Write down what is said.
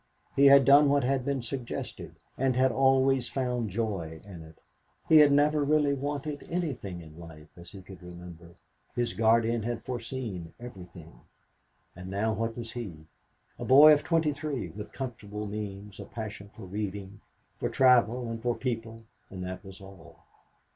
He had done what had been suggested, and always found joy in it. He had never really wanted anything in life, as he could remember. His guardian had foreseen everything. And now what was he? A boy of 23, with comfortable means, a passion for reading, for travel and for people, and that was all.